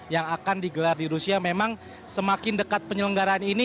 yang akan digelar di rusia memang semakin dekat penyelenggaraan ini